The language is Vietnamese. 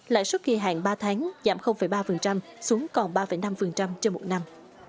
lãi suất kỳ hạn ba tháng giảm ba xuống còn ba năm trên một năm